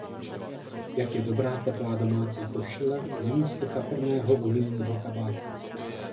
Jak je dobrá teplá domácí košile, namísto chatrného unijního kabátu.